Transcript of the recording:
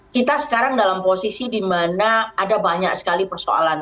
kita sekarang dalam posisi di mana ada banyak sekali persoalan